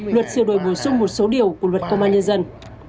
luật sửa đổi bổ sung một số điều của luật công an nhân dân